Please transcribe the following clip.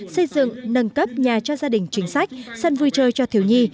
xây dựng nâng cấp nhà cho gia đình chính sách sân vui chơi cho thiếu nhi